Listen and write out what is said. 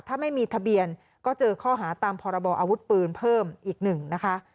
ถ้าไม่มีทะเบียนก็เจอข้อหาตามพรบออาวุธปืนเพิ่มอีกหนึ่งนะคะ